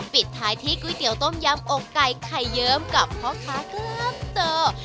ปิดท้ายที่ก๋วยเตี๋ยต้มยำอกไก่ไข่เยิ้มกับพ่อค้ากล้ามโต